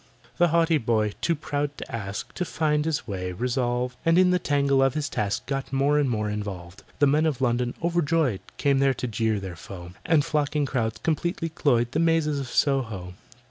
The haughty boy, too proud to ask, To find his way resolved, And in the tangle of his task Got more and more involved. The Men of London, overjoyed, Came there to jeer their foe, And flocking crowds completely cloyed The mazes of Soho.